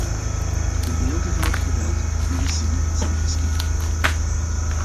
De beelden van het geweld die we zien, zijn verschrikkelijk.